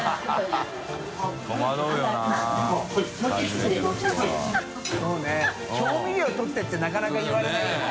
修Δ「調味料取って」ってなかなか言われないよね。